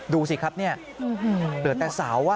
ดูสิครับเนี่ยเดี๋ยวแต่สาวว่ะ